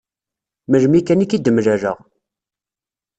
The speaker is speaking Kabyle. Melmi kan i k-id-mlaleɣ.